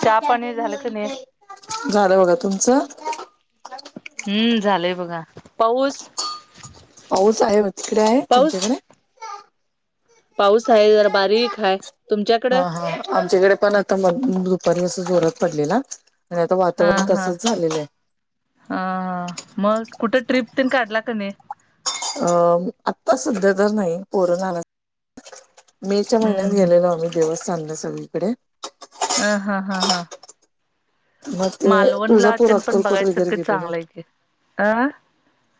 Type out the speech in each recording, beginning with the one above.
चहा पाणी झालं का नाही? झालं बघा तुमचं? हम्म झालंय बघा पाऊस. पाऊच आहे तिकडे आहे पाऊस तुमच्याकडे. पाऊस आहे जरा बारीक आहे तुमच्याकड. हा हा आमच्याकडे पण आ ता दुपारी असं जोरात पडलेला आणि आता वातावरण तसच झालेलं आहे. अ हा मग कुठं ट्रिप तेन काढला का नाही. अ आता सध्या तर नाही पोरं लहान आहेत. मे च्या महिन्यात हम्म हम्म गेलेलो आम्ही देवस्थानला सगळीकडे. अ हा हा हा. मग ते मालवणला तुळजापूर तेन पण अक्कलकोट वगैरे बघायसारखं गेलेलो. चांगलं आहे की. आं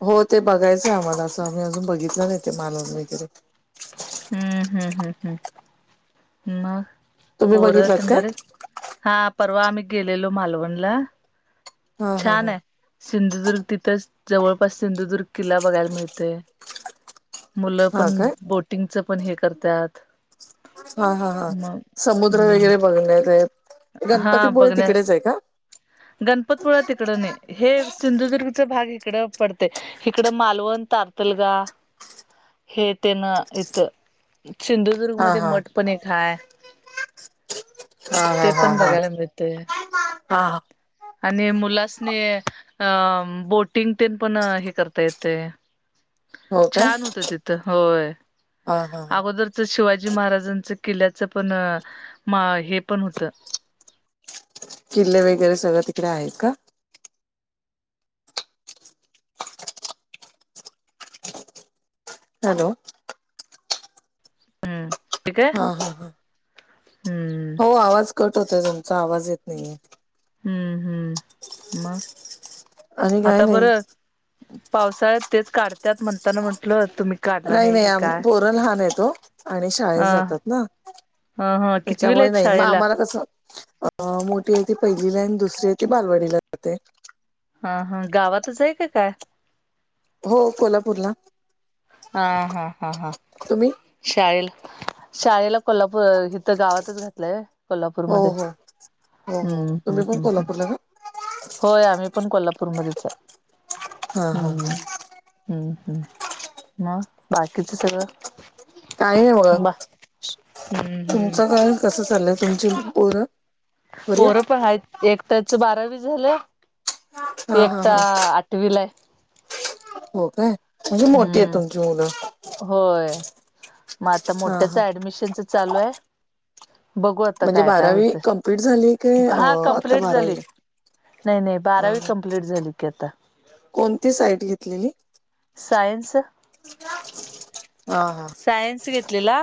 हो ते बघायचंय आम्हाला असं आम्ही अजून बघितलं नाही ते मालवन वगैरे. हम्म हम्म हम्म हम् मग तुम्ही पोरत बघितलात तेन काय बरच हायत. हा परवा आम्ही गेलेलो मालवणला हा हा छान हा आहे. सिंधुदुर्ग तिथंच जवळपास सिंधुदुर्ग किल्ला बघायला मिळतेय. मुलं हा पण काय बो. हा हा हा मग समुद्र हम्म वगैरे ब घणार आहेत गणपतीपुळे तिकडेच आहे का. गणपतपुळ तिकड नाही हे सिंधुदुर्गचा भाग इकडं पडतेय. इकडं मालवण तातल गा हे तेन इथ. सिंधुदुर्ग हा मध्ये हा मठ पण एक हाय. हा ते हा हा पण हा बघायला मिळतेय. हा आणि मुलासनी अ बोटिंग तेन पण हे करता येते. हो काय छान होत तिथं होय हा हा हा अगोदर. शिवाजी महाराजांच किल्ल्याचं पण मा हे पण होतं. किल्ले वगैरे सगळ तिकडे आहेत का. हॅलो. हम्म ठीक आहे हा हा हा. हम्म हो आवाज कट होतय तुमचा आवाज येत नाहीे. हम्म हम्म मग आणि काय आता नाही बरं. पावसाळ्यात तेच काढत्यात म्हणताना म्हटलत. नाही नाही आम पोर लहान येतो आणि शाळेत ह जातात ना. ह ह कितवीला त्याच्यामुळे आहेत नाही मग शाळेला आम्हाला कस अ. अ मोठी आहे ती पहिलीला आणि दुसरी आहे ती बालवाडीला जाते. हा हा गावातच आहे का काय. हो कोल्हापूरला. हा हा हा हा. तुम्ही. शाळेला शाळेला कोल्हापूर हिथ गावातच घातलंय. हो कोल्हापूरमध्ये हो हो हो हम्म हम्म तुम्ही पण हम् हम्. कोल्हापूरला का होय आम्ही पण कोल्हापूरमध्येच हा आहे हा हा हम्म. हम्म हम् मग बाकीच सगळं. काय नाही बगा बा हम्म हम्म तुमचं काय कसं चाललंय तुमची पोरं. पोरं पण आहेत एकटाच बारावी झालं हा हा एकटा हा आठ टविला हाय. हो काय म्हणजे मोठी आहे हम्म तुमची मुलं. होय मग आता हा मोठ्याच हा ऍडमिशनच चालू आहे. बघू आता म्हणजे काय काय बारावी होत कम्प्लीट झाली काय हा आता कमप्लीट झाली. बारावीला नाही नाही हा बारावी हा कंप्लीट झाली की आता. कोणती साईट घेतलेली. सायन्स. [unintelligible] सायन्स घेतलेला.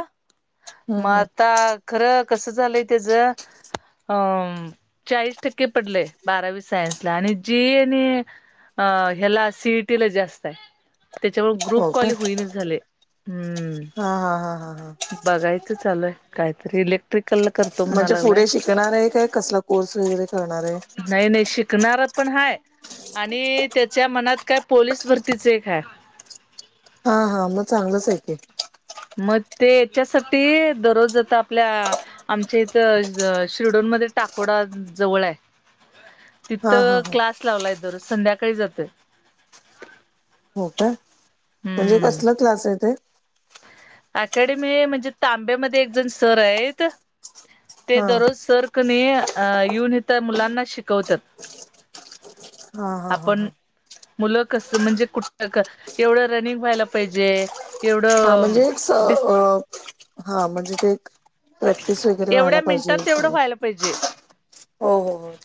हम्म मग हम्म, आता खरं कस झालंय त्याच अं चाळीस टक्के पडले बारावी सायनसला आणि जी याने अह हेला सीएटीला जास्त आहे. त्याच्यावर ग्रुप हो का कॉल होईनच झाले हा हा हा हा हा हम्म बघायचं चालूय काहीतरी ले म्हणजे पुढे शिकणार आहे काय कसला कोर्स वगैरे करणार आहे. नाही नाही शिकणार पण हाय. आणि त्याच्या मनात काय पोलीस भरतीच एक हाय. हा हा मग चांगलच आहे की. मग ते याच्यासाठी दररोज आता आपल्या आमच्या इथ शिर्डोनमध्ये टाकोडा जवळ आहे. हा तिथं हा हा क्लास लावलाय. दर संध्याकाळी जातोय. हो का म्हणजे हम्म कसला क्लास आहे ते. ऍकेडमी म्हणजे तांब्यामध्ये एक जण सर आहेत. ते हा दररोज सरकने येऊन इथ मुलांना शिकवतात. हा हा हा आपण हा मुलं कस म्हणजे कुठ एवढं रनिंग व्हायला पाहिजे. हा एवढं म्हणजे स डिस अ हा म्हणजे ते एक प्रॅक्टिस वगैरे व्हायला एवढ्या पाहिजे. मिनिटात तेवढं व्हायला पाहिजे हो हो हो.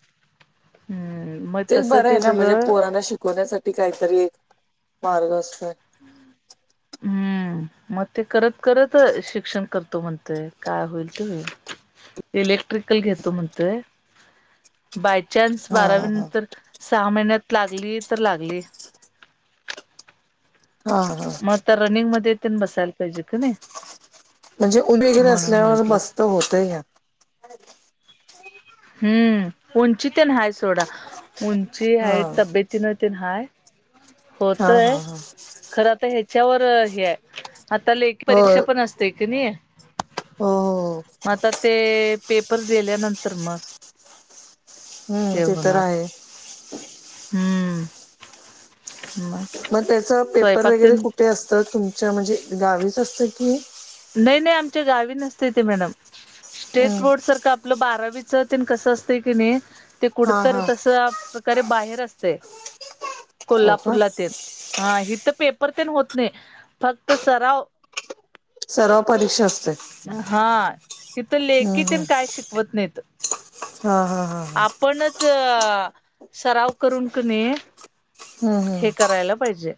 हम्म तेच तसं बरं आहे ते ना, म्हणजे सगळं पोरांना शिकवण्यासाठी काहीतरी एक मार्ग असतोय. हम्म मग ते करत करत शिक्षण करतो म्हणतय. काय होईल ते होईल. इलेक्ट्रिकल घेतो म्हणतोय. बाय चान्स हा बारावी हा नंतर सहा महिन्यात लागली तर लागली. हा हा मग रनिंग मध्ये तेण बसायला पाहिजे की नाही. म्हणजे उमेजण म्हणून असल्यावर म्हंटलं बसतो बहुतेक हा. हम्म उंची तेण हाय सोडा. उंची हा हाय तब्येत तीन तेण हाय हा होतोय. हा हा खरं आता ह्याच्यावर हे आहे आता लेखी हो परीक्षा हो पण असते की नाही. हो मग आता ते पेपर दिल्यानंतर तर मग हम्म हे ते तर होणार आहे. हम्म मग त्याच पेपर स्वयंपाक वगैरे तेन कुठे असतं तुमच्या म्हणजे गावीच असतं कि नाही नाही आमच्या गावी नसते ते मॅडम. स्टेट हम्म बोर्ड सारख आपलं बारावीच तेन कसं असतयं की नाही ते हा कुठतर हा तसं प्रकारे बाहेर असते. हो का कोल्हापूरला तेन. हा हितं पेपर तेण होत नाही. फक्त सराव सराव परीक्षा असते. हा इथं हम्म लेखी हम्म तेण काय शिकवत नाहीत. हा हा हा हा आपणच सराव करून की नाहीे हम्म हम्म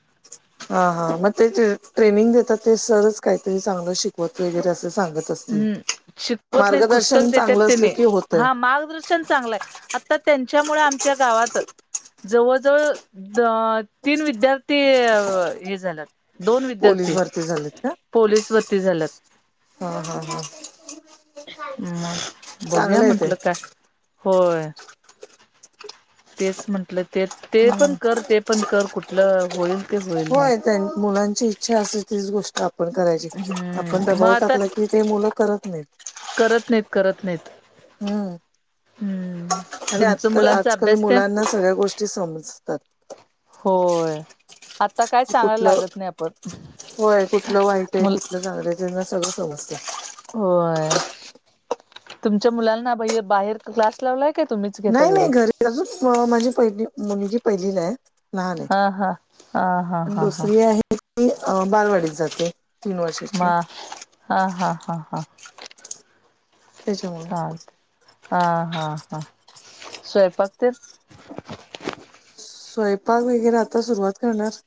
[inaudible] हा हा मग ते ट्रेनिंग देतात ते सरच काहीतरी चांगलं शिकवत वगैरे असं सांगत असतील. हम्म शिकवत नाही पुस्तक मार्गदर्शन देतात चांगलं असलं त्यांनी. की होतय हा मार्गदर्शन चांगलंय. आता त्यांच्यामुळे आमच्या गावात जवळ जवळ तीन विद्यार्थी हे झाल्यात. दोन पोलीस विद्यार्थी भरती झालीत का पोलीस भरती झाल्यात. [unintelligible] [unintelligible] मग बघूया चांगलं आहे ते म्हटलं काय होय. तेच म्हंटलं ते ते हम्म पण कर ते पण कर कुठलं होईल. ते होईल म्हण होय त्यां मुलांची इच्छा असेल तीच गोष्ट आपण करायची. आपण हम्म मग दबाव आता टाकला कि, ते मुलं करत नाहीत. करत नाहीत, करत नाहीत. हा. हम्म. आणि तुमचं आता मुलांचा आजकाल अभ्यास ते मुलांना सगळ्या गोष्टी समजतात. होय. आता काय सांगायला कुठलं लागत नाही आपण होय कुठलं वाईट आहे मुल कुठलं चांगलं आहे त्यांना सगळं समजत. होय, तुमच्या मुलांना बाहेर क्लास लावलाय? काय तुम्हीच घेता नाही नाही घरी अजून माझी पहिली मुलगी पहिलीला आहे. लहान हा हा हा हा आहे, हा हा दुसरी आहे ती बालवाडीत जाते. तीन वर्षाची मग हा हा हा हा. त्याच्यामुळे चालतंय हह हा हा, स्वयंपाकतेण? स्वयंपाक वगैरे आता सुरुवात करणार.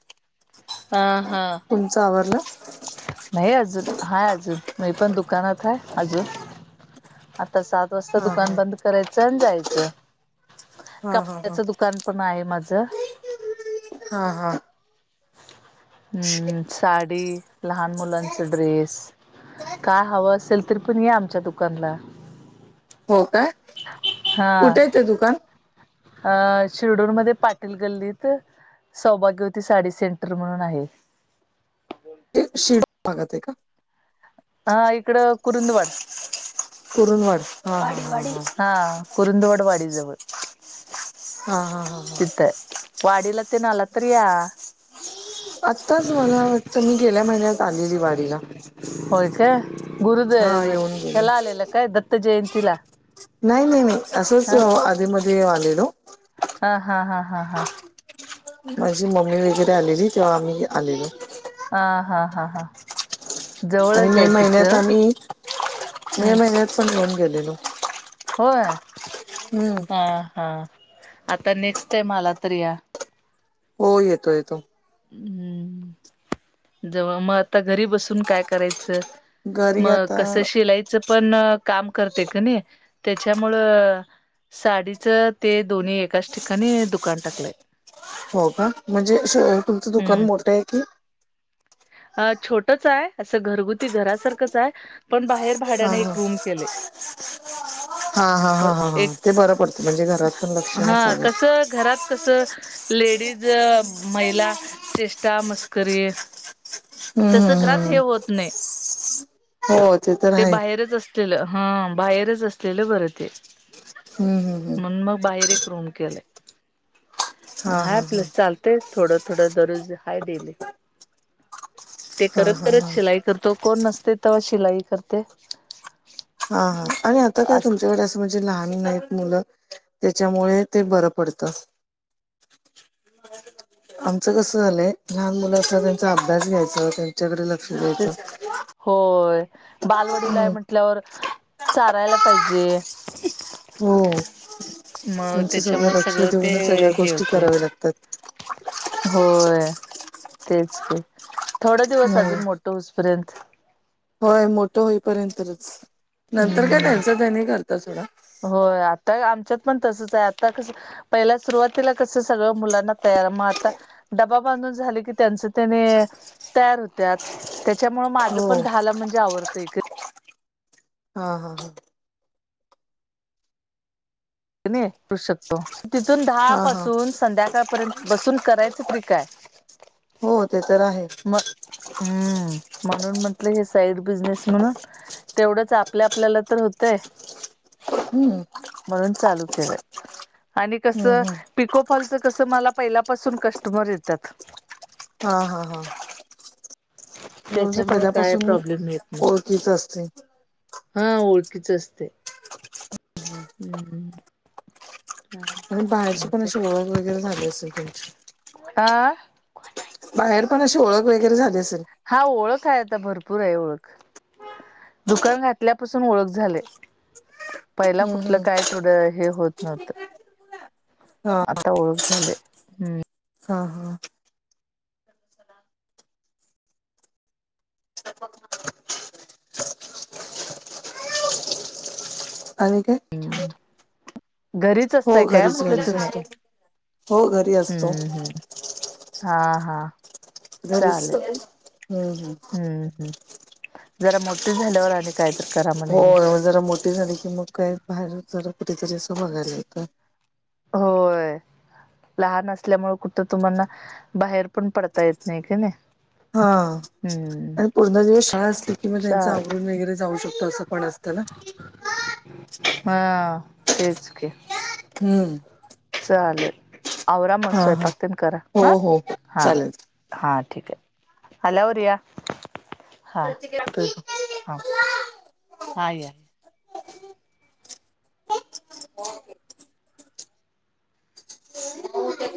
हा हा. तुमचं आवरलं? नाही अजून, हाय अजून मी पण दुकानात आहे अजून आता सात. वाजता हा दुकान हा. बंद करायचं आणि जायचं हा हा हा कपड्याचं दुकान. पण आहे माझं. हा हा. ह् साडी लहान मुलांच ड्रेस. काय हवं असेल तररी पण या आमच्या दुकानला. हो काय? हा कुठे येत दुकान? अ शिरडूरमध्येध्ये पाटील गल्लीत सौभाग्यवती साडी सेंटर म्हणून आहे. ते शेड भागत आहे का? हा इकड कुरुंदवड. कुरूंदवाड. वाडीवाडी हा कुरुंदवड वाडीजवळ हा हा हा [inaudible] हा तिथ आहे. वाडीला तेन आला तर या. आताच मला वाटतं मी गेल्या महिन्यात. चालेली वाडीला होय काय गुरुद हा येऊन गेली. ह्याला आलेलं काय दत्त जयंतीला. नाही, नाही, नाही असंच हा आधी म आलेल. हा हा हा हा हा. माझी मम्मी वगैरे आलेली तेव्हा आम्ही आलेली. हा हा हा हा. आणि जवळच मे आहे महिन्यात तिथं आम्ही मे हम्म महिन्यात पण येऊन गेलेलो. होय. [unintelligible] हम्म. हा हा आता नेक्स्ट टाइम आला तर या. हो येतो येतो. हम्म. जव मग आता घरी बसून काय करायचं घरी मग आता कसं शिलायचं. पण काम करते का नाही त्याच्यामुळं. साडीचं ते दोन्ही एकाच ठिकाणी दुकान टाकलंय. हो का म्हणजे तुमचं दुकान मोठे आहे की? अ छोटच आहे असं घरगुती घरासारखंच आहे. पण बाहेर हा भाड्याने एक रूम हा केलेय हा हा हा हा हा ते बरं पडतं म्हणजे घरात पण लक्षण हा सगच कसं घरात कस लेडीज महिला चेष्टा मस्करी हम्म तस हम्म घरात हे हम्म होत नाही हो तर ते आहे बाहेरच अस हा बाहेरच असलेलं बरं ते हम् हम् हम् म्हणून मग बाहेर एक रूम केला हा आपल चालत थोडं थोडा दररोज हा दिले ते हा हा करत हा करत हा शिलाई करतो कोण नसते तेव्हा शिलाई करते हा हा आणि आता काय असते तुमच्याकडे अस म्हणजे लहान नाहीत मुलं त्याच्यामुळे ते बरं पडतं ह [unintelligible] आमचं कसं झालंय लहान मुलं असता त्यांचा अभ्यास घ्यायच त्यांच्याकडे लक्ष द्यायचं होय बालवडीला हाय हम्म म्हटल्यावर चालायला पाहिजे हो मग त्यांचं त्याच्यामुळे सगळं लक्ष ते देऊनच सगळ्या हे गोष्टी होते कराव्या लागतात होय तेच का थोडा दिवस हम्म अजून मोठं उऊसपर्यंत होय मोठं होईपर्यंतच नंतर काय हम्म त्यांचं त्यांनी करत्यात होय आता आमच्यात पण तसच आहे आता कस पहिला सुरुवातीला कस सगळं मुलांना तयार मग आता डबा बांधून झाले की त्यांच त्याने तयार होत त्यामुळे माझं हो पण दहा ला म्हणजे आवरतय हा हा करु शकतो तिथून दहा हा हा पासून संध्याकाळपर्यंत बसून करायचं तरी काय हो ते तर आहे हम् म्हणून म्हंटलं हे साईड बिझनेस म्हणून तेवढंच आपल्या आपल्याला तर होतंय हम्म [unintelligible] म्हणून चालतय आणि कस हम्म हम्म पिकोफॉलचं कसं मला पहिल्यापासून कस्टमर येतात हा हा म्हणजे त्याच्यामुळे काय पहिल्यापासून प्रॉब्लेम येत नाही तसच असतय हा ओळखीच असते हम्म [unintelligible] आणि बाहेरची पण अशी ओळख वगैरे झाली असेल त्यांची आह [unintelligible] बाहेर पण अशी ओळख वगैरे झाली असेल हा ओळख आहे आता भरपूर आहे ओळख दुकान घातल्यापासून ओळख झाले पहिला हम्म कुठलं हम्म काय थोडं हे होत नव्हत हा आता ओळख झाले हम् हा हा आणि का घरीच हो असताय काय घरीच म्हटलं घरीच तुम्ही असतो हो घरी असतो हम्मम हम्म हा हा घरीच चालेल हम्म हम्म हम्म जरा मोठी झाल्यावर आणि कायतर करा हो म्हणे घ्या जरा मोठी झाली की मग काय बाहेर जरा कुठेतरी असं बघायला होतं होय लहान असल्यामुळे कुठं तुम्हाना बाहेर पण पडता येत नाही का नाही हा हम्म आणि पूर्ण दिवस शाळा असली कि मग त्यांचं चाल आवरून वगैरे जाऊ शकतो असं कोण असत ना हा तेच के हम्म चालेल आवरा मग हा हा स्वयंपाकतेन करा हा हो हो हा चालेल. हा ठीक आहे हॅल रिया हा हा हा हो